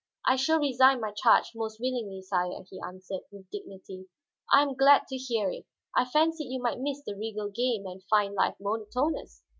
"I shall resign my charge most willingly, sire," he answered, with dignity. "I am glad to hear it; I fancied you might miss the regal game and find life monotonous.